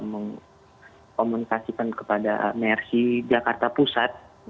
mengikuti dan kami kasihkan kepada nersi jakarta pusat